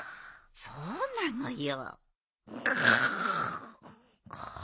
そうなのよ。